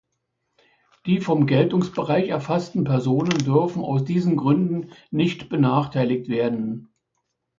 Die vom Geltungsbereich erfassten Personen dürfen aus diesen Gründen nicht benachteiligt werden.